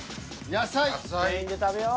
全員で食べよう。